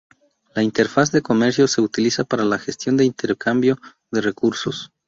La interfaz de comercio se utiliza para la gestión del intercambio de recursos.